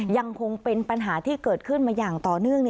ยังคงเป็นปัญหาที่เกิดขึ้นมาอย่างต่อเนื่อง